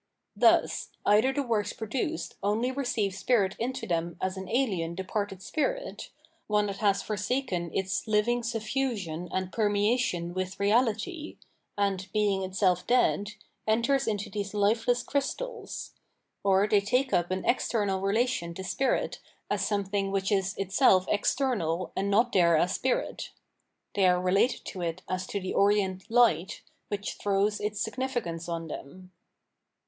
Thus, either the works produced only receive spirit into them as an ahen, departed spirit, one that has forsaken its hving suffusion and permeation with reahty, and, being itself dead, enters into these lifeless crystals ; or they take up an external relation to spirit as something which is itself external and not there as spirit — ^they are related to it as to the orient Light, which throws its significance on them.